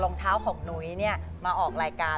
รองเท้าของนุ้ยมาออกรายการ